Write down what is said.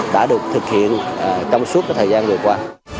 đã được thực hiện trong suốt thời gian vừa qua